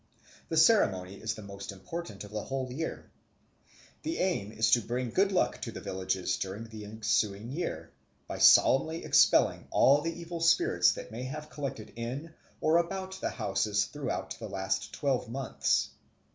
The ceremony is the most important of the whole year. Its aim is to bring good luck to the village during the ensuing year by solemnly expelling all the evil spirits that may have collected in or about the houses throughout the last twelve months.